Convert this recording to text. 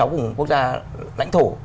chín mươi sáu vùng quốc gia lãnh thổ